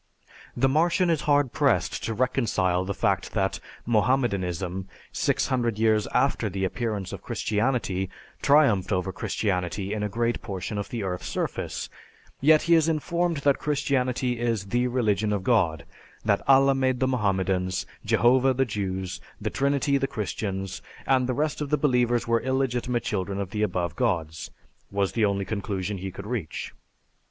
The Martian is hard pressed to reconcile the fact that Mohammedanism six hundred years after the appearance of Christianity triumphed over Christianity in a great portion of the earth's surface; yet he is informed that Christianity is the religion of God, that Allah made the Mohammedans, Jehovah the Jews, the Trinity the Christians, and the rest of the believers were illegitimate children of the above gods, was the only conclusion he could reach.